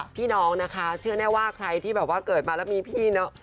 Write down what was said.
พี่น้องนะคะเชื่อแน่ว่าใครที่แบบว่าเกิดมาแล้วมีพี่น้อง